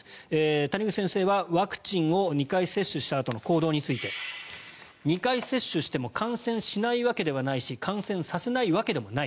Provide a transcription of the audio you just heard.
谷口先生は、ワクチンを２回接種したあとの行動について２回接種しても感染しないわけではないし感染させないわけでもない。